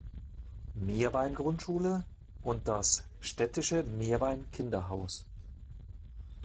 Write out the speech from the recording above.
Meerwein Grundschule" und das "städtische Meerwein Kinderhaus".